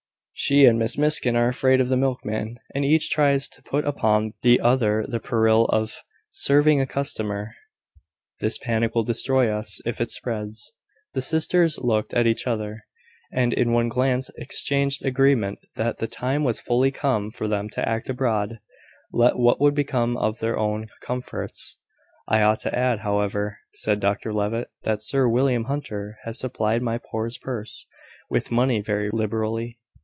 She and Miss Miskin are afraid of the milkman, and each tries to put upon the other the peril of serving a customer. This panic will destroy us if it spreads." The sisters looked at each other, and in one glance exchanged agreement that the time was fully come for them to act abroad, let what would become of their home comforts. "I ought to add, however," said Dr Levitt, "that Sir William Hunter has supplied my poor's purse with money very liberally.